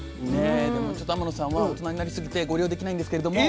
でも天野さんは大人になりすぎてご利用できないんですけれども。